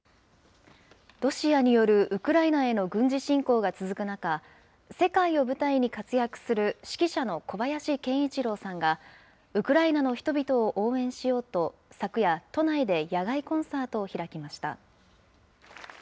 ロシアによるウクライナへの軍事侵攻が続く中、世界を舞台に活躍する指揮者の小林研一郎さんが、ウクライナの人々を応援しようと、昨夜、都内で野外コンサートを開きました。